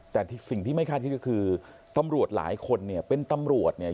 แต่สิ่งที่ไม่คาดคิดก็คือตำรวจหลายคนเนี่ยเป็นตำรวจเนี่ย